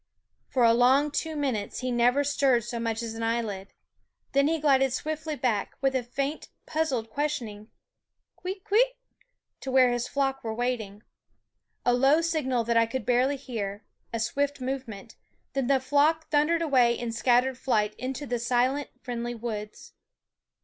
For a long two minutes he never stirred so much as an eyelid. Then he glided swiftly back, with a faint, puzzled, questioning kwit kwit? to where his flock were waiting. A low signal that I could barely hear, a swift movement then the flock thundered away in scattered flight into the silent, friendly woods.